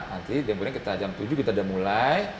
nanti jam tujuh kita sudah mulai